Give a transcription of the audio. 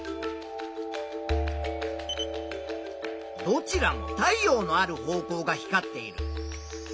どちらも太陽のある方向が光っている。